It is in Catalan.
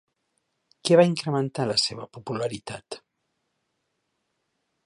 Què va incrementar la seva popularitat?